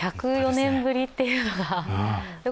１０４年ぶりというのが。